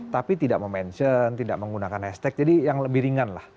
tapi tidak memention tidak menggunakan hashtag jadi yang lebih ringan lah